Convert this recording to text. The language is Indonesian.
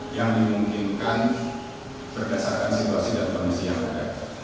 yang dimungkinkan berdasarkan situasi dan kondisi yang ada